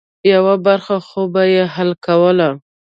یوه برخه خو به یې حل کوله.